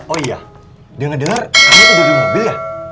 oh iya denger denger kamu tidur di mobil ya